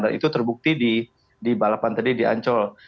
itu terbukti di balapan tadi di ancol